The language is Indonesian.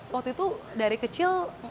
waktu itu dari kecil